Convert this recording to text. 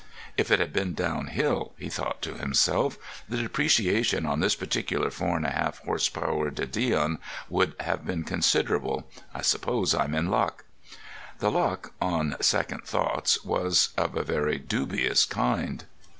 "If it had been downhill," he thought to himself, "the depreciation on this particular four and a half horse power de Dion would have been considerable. I suppose I'm in luck." The luck, on second thoughts, was of a very dubious kind.